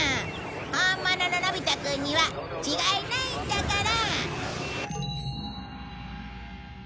本物ののび太くんには違いないんだから。